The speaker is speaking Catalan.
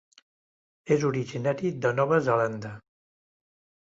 És originari de Nova Zelanda.